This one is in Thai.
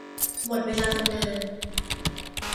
หมดเวลาทำงาน